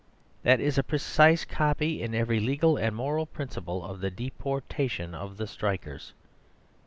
That is a precise copy, in every legal and moral principle, of the "deportation of the strikers."